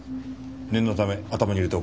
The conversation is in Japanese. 念のため頭に入れておこう。